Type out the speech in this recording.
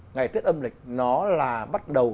ngày tết âm lịch nó là bắt đầu